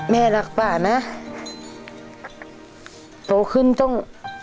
แม่รักป้านะโตขึ้นต้อง